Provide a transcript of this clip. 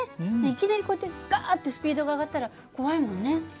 いきなりこうやってガッてスピードが上がったら怖いもんね。